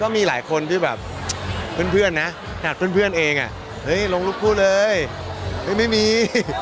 มีหลายคนที่หากเพื่อนเองลงรุ่นพูดเลยไม่มี